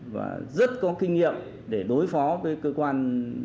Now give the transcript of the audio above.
và rất có kinh nghiệm để đối phó với cơ quan